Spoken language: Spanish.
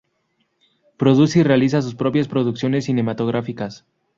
Produce y realiza sus propias producciones cinematográficas.